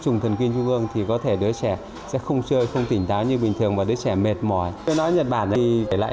tuy nhiên bệnh chủ yếu gặp ở trẻ em dưới một mươi năm tuổi